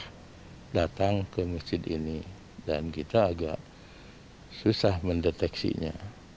kita datang ke masjid ini dan kita agak susah mendeteksinya